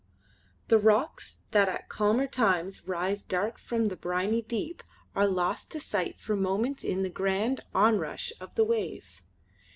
The rocks that at calmer times rise dark from the briny deep are lost to sight for moments in the grand onrush of the waves.